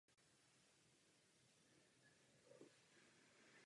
Tažení skončilo pro Švédsko katastrofou a do konce války se už jen bránilo.